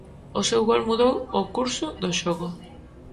O seu gol mudou o curso do xogo.